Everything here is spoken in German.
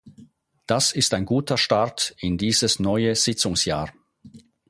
Das ist ein guter Start in dieses neue Sitzungsjahr.